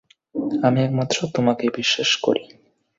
আমি একমাত্র তোমাকেই বিশ্বাস করি।